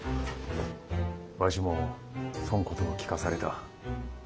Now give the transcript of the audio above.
わしもそんことを聞かされた。